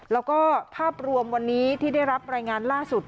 แล้วก็ภาพรวมวันนี้ที่ได้รับรายงานล่าสุด